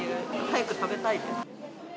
早く食べたいです。